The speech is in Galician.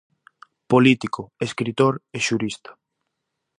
Político, escritor e xurista.